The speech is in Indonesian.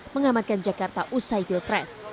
mengamankan jakarta usai pilpres